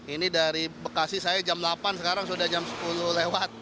ini dari bekasi saya jam delapan sekarang sudah jam sepuluh lewat